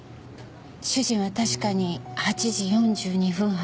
主人は確かに８時４２分発